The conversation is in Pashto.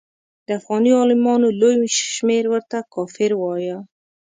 د افغاني عالمانو لوی شمېر ورته کافر وایه.